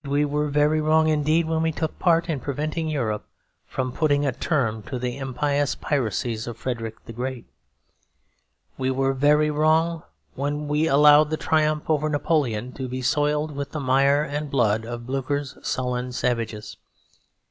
We were very wrong indeed when we took part in preventing Europe from putting a term to the impious piracies of Frederick the Great. We were very wrong indeed when we allowed the triumph over Napoleon to be soiled with the mire and blood of Blucher's sullen savages.